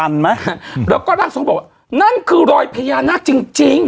แล้วก็ร่างทรงบอกว่านั่นคือรอยพญานาคจริงจริง